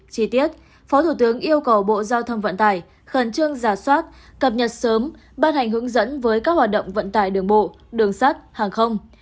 chi tiết phó thủ tướng yêu cầu bộ giao thông vận tải khẩn trương giả soát cập nhật sớm ban hành hướng dẫn với các hoạt động vận tải đường bộ đường sắt hàng không